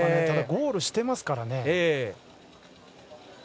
ただ、ゴールしていますからね。